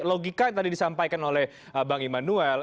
logika yang tadi disampaikan oleh bang immanuel